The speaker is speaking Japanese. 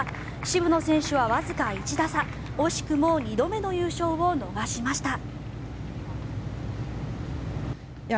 渋野選手はわずか１打差惜しくも２度目の優勝を逃しました。